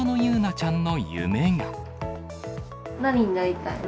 何になりたいの？